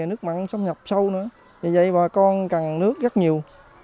nước mặn xâm nhập sâu nữa vì vậy bà con cần nước rất nhiều